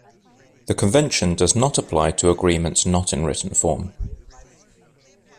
The Convention does not apply to agreements not in written form.